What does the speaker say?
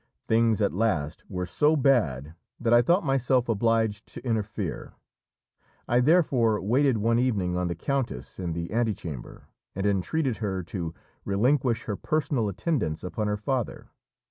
Things at last were so bad that I thought myself obliged to interfere. I therefore waited one evening on the countess in the antechamber and entreated her to relinquish her personal attendance upon her father.